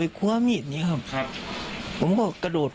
เอามีดออกมาก่อน